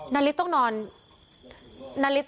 นาริสต้องนอน